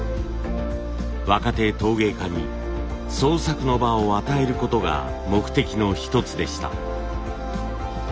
若手陶芸家に創作の場を与えることが目的の一つでした。